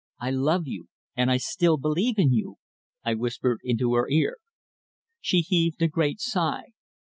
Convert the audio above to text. "I love you and I still believe in you," I whispered into her ear. She heaved a great sigh.